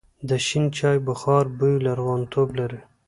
د شین چای بخار بوی لرغونتوب لري.